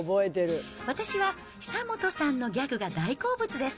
私は久本さんのギャグが大好物です。